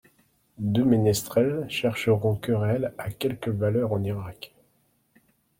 Deux ménestrels chercheront querelle à quelques valeurs en Irak.